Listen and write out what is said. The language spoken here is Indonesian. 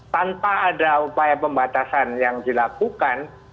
tanpa ada upaya pembatasan yang dilakukan